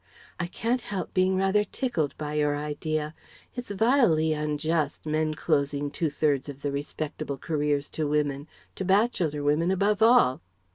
I can't help being rather tickled by your idea. It's vilely unjust, men closing two thirds of the respectable careers to women, to bachelor women above all..."